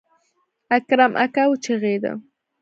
اکرم اکا وچغېده.